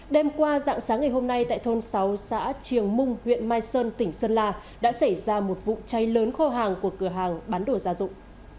đêm qua dạng sáng ngày hôm nay tại thôn sáu xã triềng mung huyện mai sơn tỉnh sơn la đã xảy ra một vụ cháy lớn kho hàng của cửa hàng bán đồ gia dụng